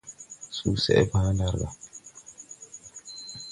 Susɛʼ bàa ɗaar gà.